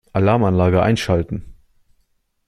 Alarmanlage einschalten.